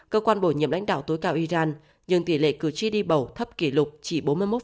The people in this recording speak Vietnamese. cơ quan bổ nhiệm lãnh đạo tối cao iran nhưng tỷ lệ cử tri đi bầu thấp kỷ lục chỉ bốn mươi một